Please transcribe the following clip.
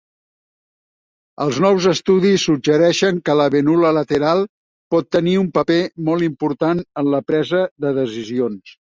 Els nous estudis suggereixen que l"habènula lateral pot tenir un paper molt important en la presa de decisions.